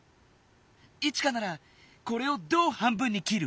イチカならこれをどう半分にきる？